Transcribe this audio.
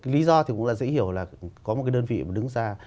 lý do thì cũng là dễ hiểu là có một cái đơn vị mà đứng ra